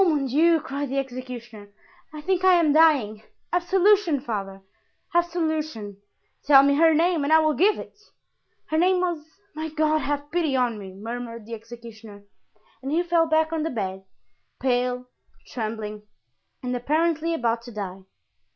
"Oh, mon Dieu!" cried the executioner, "I think I am dying. Absolution, father! absolution." "Tell me her name and I will give it." "Her name was——My God, have pity on me!" murmured the executioner; and he fell back on the bed, pale, trembling, and apparently about to die.